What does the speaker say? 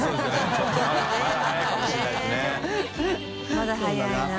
まだ早いな。